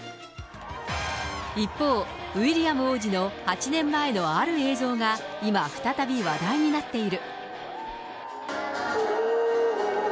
一方、ウィリアム王子の８年前のある映像が、今、再び話題になっている。